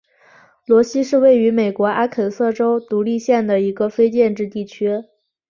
罗西是位于美国阿肯色州独立县的一个非建制地区。